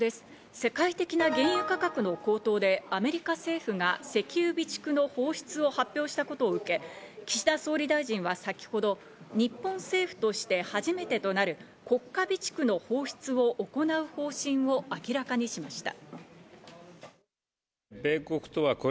世界的な原油価格の高騰でアメリカ政府が石油備蓄の放出を発表したことを受け、岸田総理大臣は先ほどを日本政府として初めてとなる国家備蓄の放出を行う方針を明らかにしました。